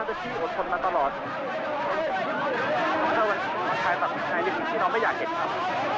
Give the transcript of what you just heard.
ดรวันชัยจัดสินใจในสิ่งที่น้องไม่อยากเห็นครับ